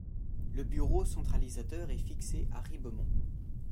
Le bureau centralisateur est fixé à Ribemont.